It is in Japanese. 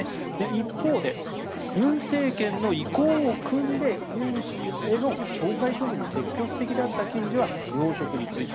一方で文政権の意向をくんでユン氏への懲戒処分に積極的だった検事は要職に就いた。